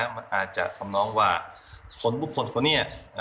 มันอาจจะทำน้องว่าคนบุคคลเขาเนี่ย